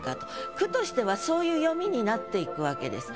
句としてはそういう読みになっていくわけです。